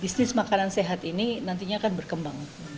bisnis makanan sehat ini nantinya akan berkembang